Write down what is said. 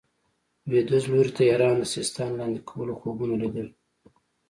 لوېدیځ لوري ته ایران د سیستان لاندې کولو خوبونه لیدل.